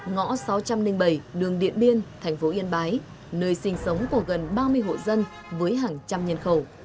ngõ sáu trăm linh bảy đường điện biên thành phố yên bái nơi sinh sống của gần ba mươi hộ dân với hàng trăm nhân khẩu